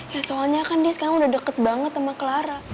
ya soalnya kan dia sekarang udah deket banget sama clara